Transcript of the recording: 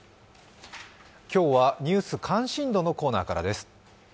今日はニュース関心度のコーナーからです。